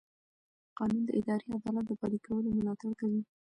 قانون د اداري عدالت د پلي کولو ملاتړ کوي.